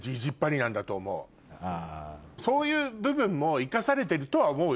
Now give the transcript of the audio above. そういう部分も生かされてるとは思うよ